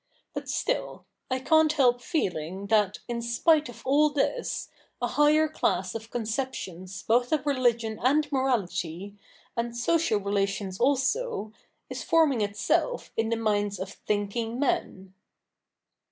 But still, I can't help feeling that, in spite of all this, a higher class of conceptions both of religion and morality, and social relations also, is forming itself in the minds of thinking men.'